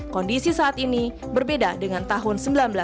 kondisi saat ini berbeda dengan tahun seribu sembilan ratus sembilan puluh